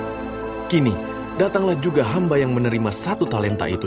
lalu datanglah hamba yang menerima dua talenta itu